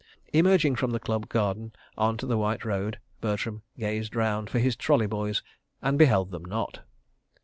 Emerging from the Club garden on to the white road, Bertram gazed around for his trolley boys and beheld them not.